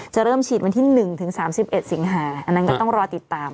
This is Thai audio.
เริ่มฉีดวันที่๑ถึง๓๑สิงหาอันนั้นก็ต้องรอติดตาม